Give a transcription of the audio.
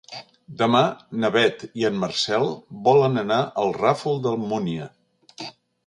Demà na Beth i en Marcel volen anar al Ràfol d'Almúnia.